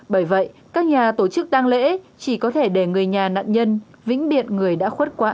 bởi vậy các nhà tổ chức tăng lễ chỉ có thể để người nhà nạn nhân vĩnh biệt người đã khuất quãng